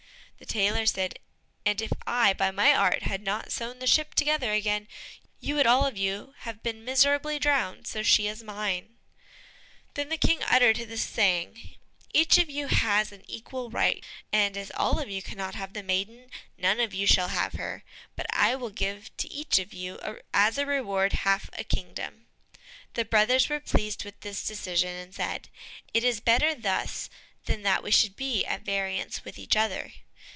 The tailor said, "And if I, by my art, had not sewn the ship together again, you would all of you have been miserably drowned, so she is mine." Then the King uttered this saying, "Each of you has an equal right, and as all of you cannot have the maiden, none of you shall have her, but I will give to each of you, as a reward, half a kingdom." The brothers were pleased with this decision, and said, "It is better thus than that we should be at variance with each other."